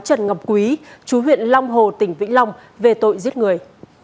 trần ngọc quý chú huyện long hồ tỉnh vĩnh long về tội giết người